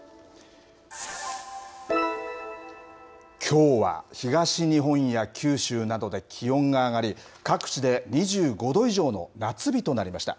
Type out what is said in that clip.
きょうは東日本や九州などで気温が上がり、各地で２５度以上の夏日となりました。